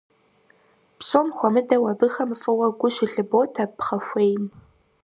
Псом хуэмыдэу абыхэм фӀыуэ гу щылъыботэ пхъэхуейм.